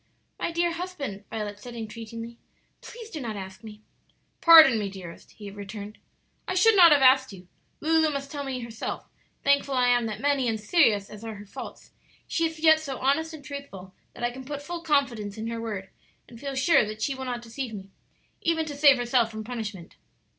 "My dear husband," Violet said, entreatingly, "please do not ask me." "Pardon me, dearest," he returned. "I should not have asked you; Lulu must tell me herself; thankful I am that many and serious as are her faults, she is yet so honest and truthful that I can put full confidence in her word and feel sure that she will not deceive me, even to save herself from punishment."